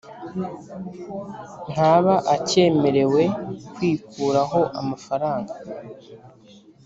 ntaba acyemerewe kwikuraho amafaranga